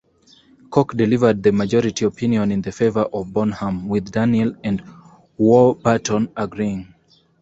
Coke delivered the majority opinion in favour of Bonham, with Daniel and Warburton agreeing.